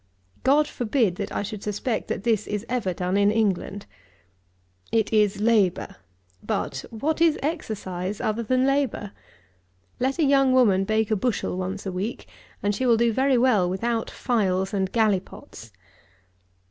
God forbid, that I should suspect that this is ever done in England! It is labour; but, what is exercise other than labour? Let a young woman bake a bushel once a week, and she will do very well without phials and gallipots.